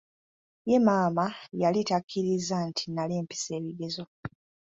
Ye Maama yali takiriza nti nali mpise ebigezo.